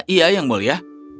iya yang mulia